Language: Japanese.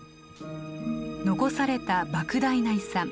残されたばく大な遺産。